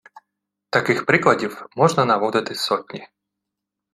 Таких прикладів можна наводити сотні